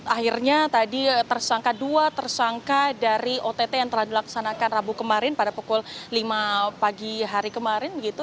akhirnya tadi tersangka dua tersangka dari ott yang telah dilaksanakan rabu kemarin pada pukul lima pagi hari kemarin